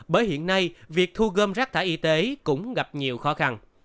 bởi hiện nay việc thu gom rác thải y tế cũng gặp nhiều khó khăn